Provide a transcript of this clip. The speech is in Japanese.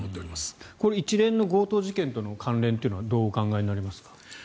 一連の強盗事件との関連はどうお考えになりますか？